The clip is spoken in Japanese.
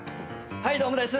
はいどうもです。